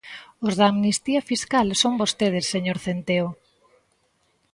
Os da amnistía fiscal son vostedes, señor Centeo.